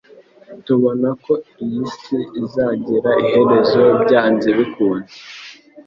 Tubona ko iyi si izagira iherezo byanze bikunze.